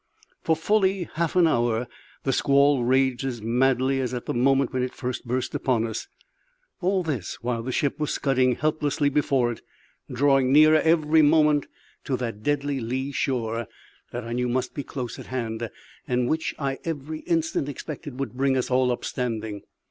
For fully half an hour the squall raged as madly as at the moment when it first burst upon us; all this while the ship was scudding helplessly before it, drawing nearer every moment to that deadly lee shore that I knew must be close at hand, and which I every instant expected would bring us up all standing.